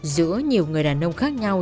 giữa nhiều người đàn ông khác nhau